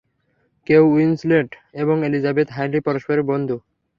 Kate Winslet এবং Elizabeth Hurley পরস্পরের বন্ধু।